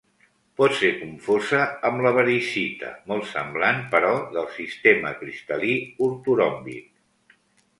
Pot ser confosa amb la variscita, molt semblant però del sistema cristal·lí ortoròmbic.